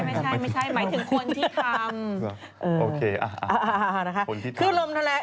ไม่ไม่ใช่หมายถึงคนที่ทำ